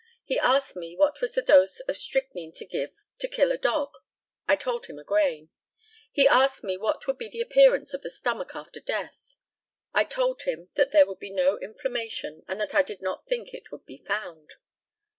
He asked me what was the dose of strychnine to give to kill a dog? I told him a grain. He asked me what would be the appearance of the stomach after death? I told him that there would be no inflammation, and that I did not think it could be found.